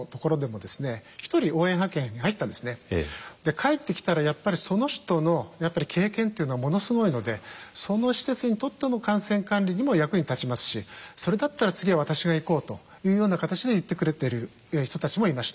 帰ってきたらやっぱりその人の経験っていうのはものすごいのでその施設にとっての感染管理にも役に立ちますしそれだったら次は私が行こうというような形で言ってくれてる人たちもいました。